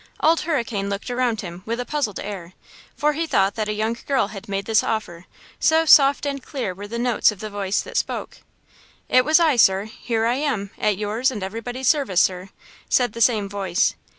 Old Hurricane looked around him with a puzzled air, for he thought that a young girl had made this offer, so soft and clear were the notes of the voice that spoke. "It was I, sir! Here I am, at yours and everybody's service, sir!" said the same voice.